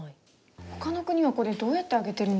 ほかの国はこれどうやって上げてるんですか？